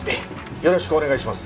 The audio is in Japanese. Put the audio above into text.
よろしくお願いします。